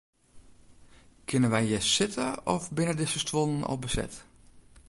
Kinne wy hjir sitte of binne dizze stuollen al beset?